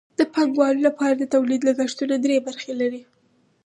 د پانګوالو لپاره د تولید لګښتونه درې برخې لري